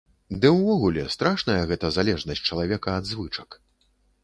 Ды ўвогуле, страшная гэта залежнасць чалавека ад звычак.